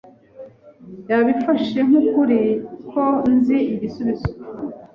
Yabifashe nk'ukuri ko nzi igisubizo.